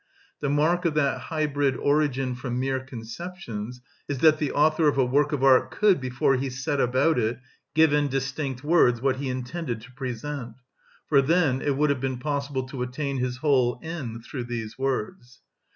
The mark of that hybrid origin from mere conceptions is that the author of a work of art could, before he set about it, give in distinct words what he intended to present; for then it would have been possible to attain his whole end through these words.